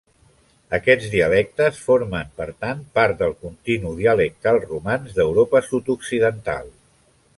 Aquests dialectes formen per tant part del continu dialectal romanç d'Europa sud-occidental.